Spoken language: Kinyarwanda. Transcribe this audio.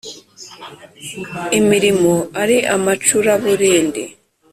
Imirimo ari amacura-burindi